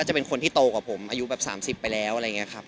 จะเป็นคนที่โตกว่าผมอายุแบบ๓๐ไปแล้วอะไรอย่างนี้ครับ